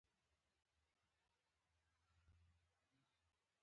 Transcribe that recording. زما یادېږي نه، چې ما بهار لیدلی